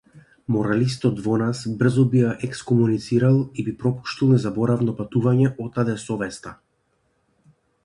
Моралистот во нас брзо би ја екскомуницирал и би пропуштил незаборавно патување отаде совеста.